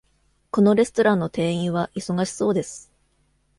このレストランの店員は忙しそうです。